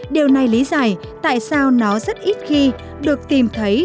điều này lý giải tại sao nó rất ít khi được tìm thấy